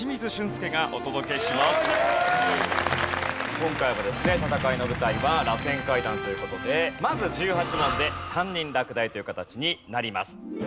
今回もですね戦いの舞台は螺旋階段という事でまず１８問で３人落第という形になります。